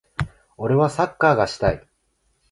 俺はサッカーがしたい。